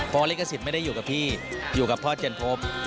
เพราะลิต๊กศิษย์ไม่ได้อยู่กับพี่อยู่กับพ่อเจรินทพ